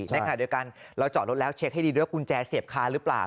จับให้ดีด้วยการเราจอดรถแล้วเช็คให้ดีด้วยกุญแจเสพค้าหรือเปล่า